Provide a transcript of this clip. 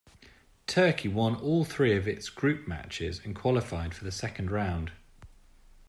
Turkey won all three of its group matches and qualified for the second round.